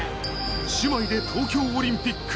姉妹で東京オリンピック。